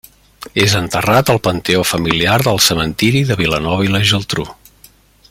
És enterrat al panteó familiar del Cementiri de Vilanova i la Geltrú.